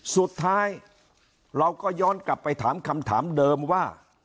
สุดท้ายเราก็ย้อนกลับไปถามคำถามเดิมว่า